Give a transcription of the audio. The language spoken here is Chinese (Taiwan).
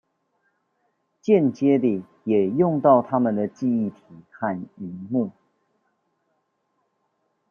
間接地也用到他們的記憶體和螢幕